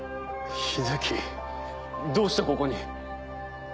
秀樹どうしてここに？